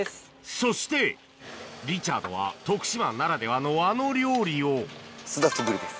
そしてリチャードは徳島ならではのあの料理をすだちぶりです。